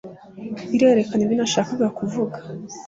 …irerekana ibyo nashakaga kuvuga